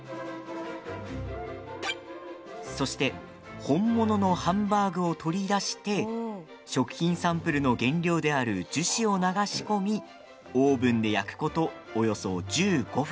そして、本物のハンバーグを取り出して食品サンプルの原料である樹脂を流し込みオーブンで焼くことおよそ１５分。